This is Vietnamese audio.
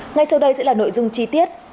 ngay sau đây sẽ là nội dung chi tiết